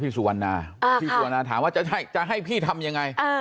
พี่สุวรรณาถามว่าจะให้พี่ทำยังไง